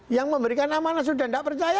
yang memberikan amanah sudah tidak percaya